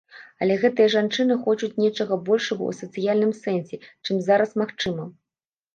Але гэтыя жанчыны хочуць нечага большага ў сацыяльным сэнсе, чым зараз магчыма.